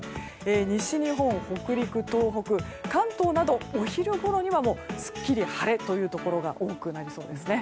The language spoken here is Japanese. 西日本、北陸、東北、関東などお昼ごろにはすっきり晴れというというところが多くなりそうです。